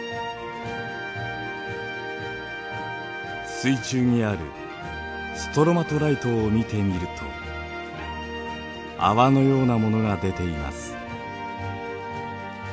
水中にあるストロマトライトを見てみると泡のようなものが出ています。